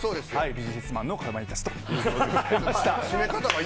ビジネスマンのかまいたちということでございました。